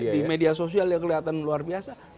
di media sosial ya kelihatan luar biasa